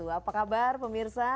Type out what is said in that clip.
apa kabar pemirsa